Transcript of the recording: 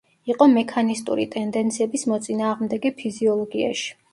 იყო მექანისტური ტენდენციების მოწინააღმდეგე ფიზიოლოგიაში.